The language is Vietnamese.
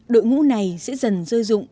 đội ngũ này sẽ dần dơ dụng